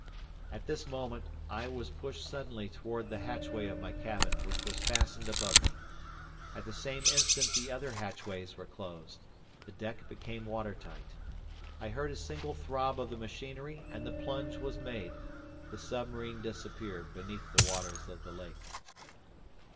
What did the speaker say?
At this moment, I was pushed suddenly toward the hatchway of my cabin, which was fastened above me. At the same instant the other hatchways were closed; the deck became watertight. I heard a single throb of the machinery, and the plunge was made, the submarine disappeared beneath the waters of the lake.